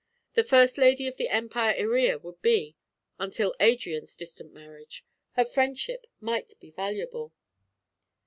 The first lady of the Empire Iría would be, until Adrian's distant marriage; her friendship might be valuable.